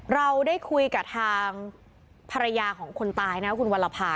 เราได้คุยกับทางภรรยาของคนตายนะคุณวรภา